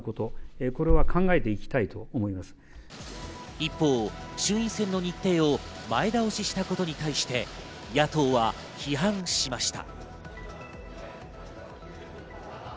一方、衆院選の日程を前倒ししたことに対して野党は批判しました。